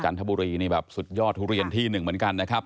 ทบุรีนี่แบบสุดยอดทุเรียนที่หนึ่งเหมือนกันนะครับ